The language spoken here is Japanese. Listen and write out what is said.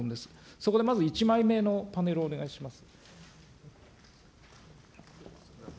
そこでまず１枚目のパネルをお願いします。